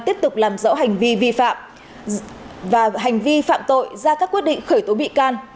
tiếp tục làm rõ hành vi vi phạm và hành vi phạm tội ra các quyết định khởi tố bị can